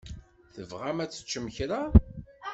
Tebɣam ad teččem kra?